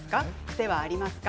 癖はありますか？